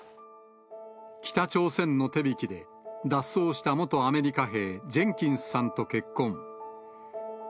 北朝鮮の手引きで脱走した元アメリカ兵、ジェンキンスさんと結婚。